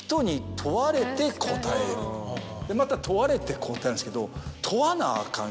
また問われて答えるんですけど。